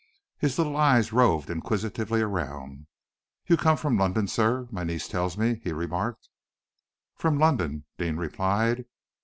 His little eyes roved inquisitively around. "You come from London, sir, my niece tells me," he remarked. "From London," Deane replied.